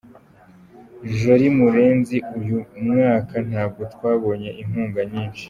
Jolie Murenzi: Uyu mwaka ntabwo twabonye inkunga nyinshi.